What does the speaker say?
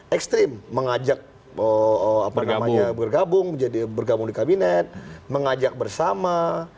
ekstrim mengajak bergabung di kabinet mengajak bersama